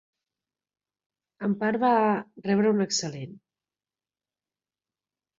En Parr va rebre un excel·lent.